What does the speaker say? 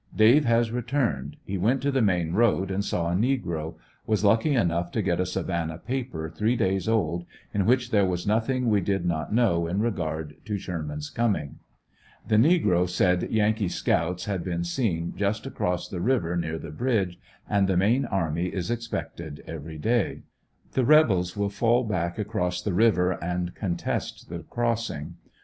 — Dave has returned. He went to the main road and saw a negro. Was lucky enough to get a Savannah paper three days old in which there was nothing we did not know in regard to Sherman's coming. The negro said yan kee scouts had been seen just across the river near the bridge, and the main army is expected every day. The rebels will fall back across the river and contest the crossing.